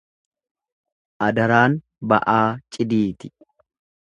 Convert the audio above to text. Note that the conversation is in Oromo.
Adaraan ba'aa cidiiti.